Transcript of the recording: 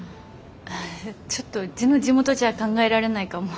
ちょっとうちの地元じゃ考えられないかも。